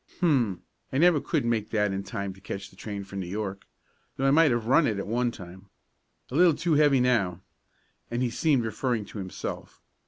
"Hum! I never could make that in time to catch the train for New York, though I might have run it at one time. A little too heavy now," and he seemed referring to himself.